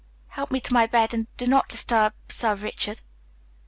Help me to my bed, but do not disturb Sir Richard."